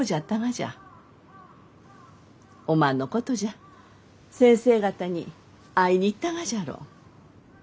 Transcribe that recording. おまんのことじゃ先生方に会いに行ったがじゃろ？